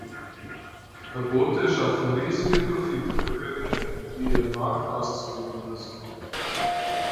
Verbote schaffen riesige Profite für Kriminelle, die ihren Markt auszudehnen versuchen.